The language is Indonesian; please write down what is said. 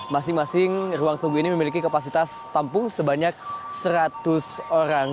masing masing ruang tunggu ini memiliki kapasitas tampung sebanyak seratus orang